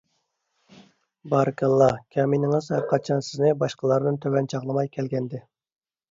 بارىكاللاھ! كەمىنىڭىز ھەرقاچان سىزنى باشقىلاردىن تۆۋەن چاغلىماي كەلگەنىدى.